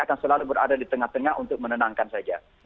akan selalu berada di tengah tengah untuk menenangkan saja